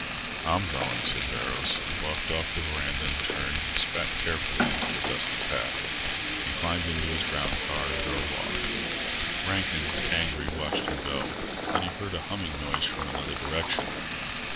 "I'm going," said Barrows. He walked off the verandah and turned and spat carefully into the dusty path. He climbed into his ground car and drove off. Rankin, angry, watched him go. Then he heard a humming noise from another direction.